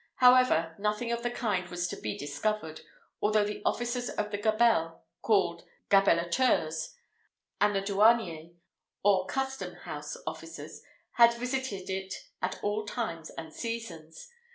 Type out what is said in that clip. However, nothing of the kind was to be discovered, although the officers of the gabelle, called Gabellateurs, and the Douaniers, or custom house officers, had visited it at all times and seasons.